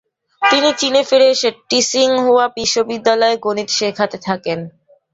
তিনি চীনে ফিরে এসে টিসিংহুয়া বিশ্ববিদ্যালয়ে গণিত শেখাতে থাকেন।